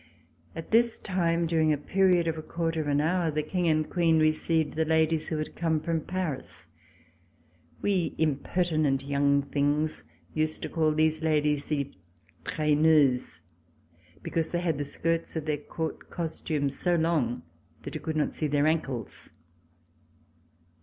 At this time, during a period of a quarter of an hour, the King and Queen received the ladies who had come from Paris. We impertinent young things used to call these ladies the traineuses, because they had the skirts of their court costumes so long that you could not see their ankles.